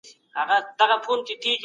د ملکيت دفاع د هر چا حق دی.